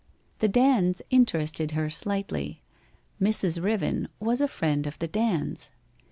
The Dands interested her slightly: Mrs. Riven was a friend of the Dands.